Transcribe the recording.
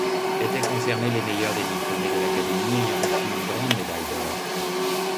Étaient concernés les meilleurs des diplômés de l'Académie, ayant reçu une grande médaille d'or.